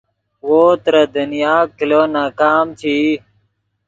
وو ترے دنیا کلو ناکام چے ای